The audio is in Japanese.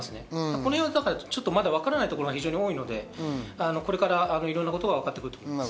このへんは、まだわからないところが非常に多いので、これからいろんなことがわかってくると思います。